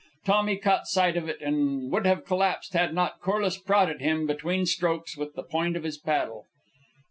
Tommy caught sight of it, and would have collapsed had not Corliss prodded him, between strokes, with the point of his paddle.